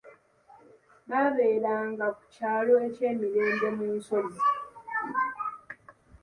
Baabeeranga ku kyalo eky'emirembe mu nsozi.